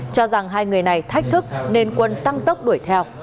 cho rằng hai người này thách thức nên quân tăng tốc đuổi theo